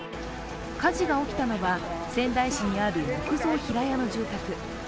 火事が起きたのは仙台市にある木造平屋の住宅。